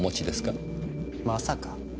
まさか。